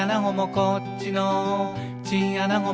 「こっちのチンアナゴも」